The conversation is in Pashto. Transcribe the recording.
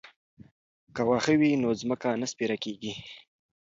که واښه وي نو ځمکه نه سپیره کیږي.